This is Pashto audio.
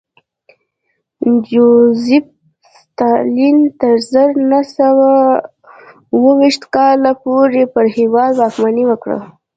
جوزېف ستالین تر زر نه سوه اوه ویشت کال پورې پر هېواد واکمني وکړه